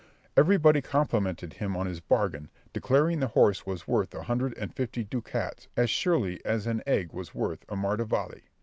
Everybody complimented him on his bargain, declaring the horse was worth a hundred and fifty ducats as surely as an egg was worth a maravedi.